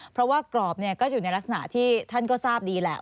เพราะว่ากรอบก็อยู่ในลักษณะที่ท่านก็ทราบดีแหละ